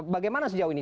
bagaimana sejauh ini